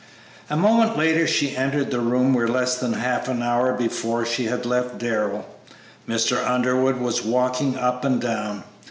A moment later she entered the room where less than half an hour before she had left Darrell. Mr. Underwood was walking up and down.